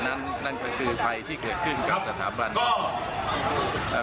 ดั่งนั้นก็คือภัยที่เคยเกิดขึ้นในสถาบันนะครับ